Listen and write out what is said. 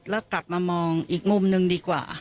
แล้วกลับมามองอีกมุมหนึ่งดีกว่า